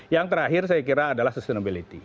yang terakhir saya kira adalah sustainability